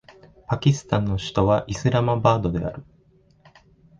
パキスタンの首都はイスラマバードである